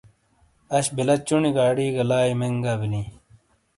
اش بِلا چُنی گاڑی گہ لائی مہنگا بیِلیں۔